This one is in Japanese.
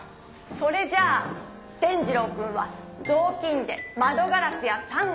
それじゃあ伝じろうくんはぞうきんで「まどガラス」や「さん」を。